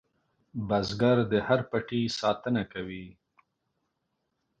بزګر د هر پټي ساتنه کوي